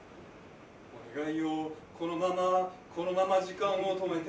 「時間よこのままこのまま時間を止めて」